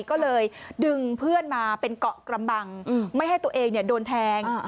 ก็เลยดึงเพื่อนมาเป็นเกาะกระบังไม่ให้ตัวเองโดนแทง